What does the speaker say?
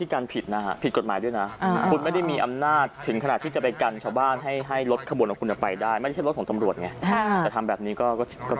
คุณไม่ได้มีอำนาจถึงขนาดที่จะไปกันชาวบ้านให้รถขบวนของคุณไปได้ไม่ได้ใช่รถของตำรวจไงแต่ทำแบบนี้ก็ผิดนะครับ